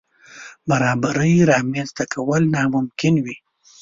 برابرۍ رامنځ ته کول ناممکن وي.